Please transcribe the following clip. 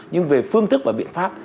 nhưng về phương thức và biện pháp